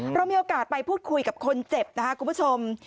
เรามีโอกาสไปพูดคุยกับคนเจ็บนะครับคุณผู้ชม